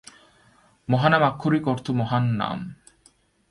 মহানাম আক্ষরিক অর্থ 'মহান নাম'।